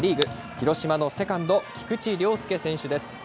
広島のセカンド、菊池涼介選手です。